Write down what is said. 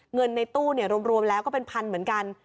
เงินในตู้รวมแล้วก็เป็นพันเหมือนกัน